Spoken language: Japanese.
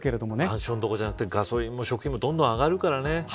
マンションどころじゃなくてガソリンとか食費もどんどん上がるからね。